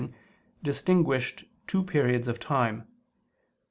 distinguished two periods of time.